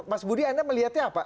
mas budi anda melihatnya apa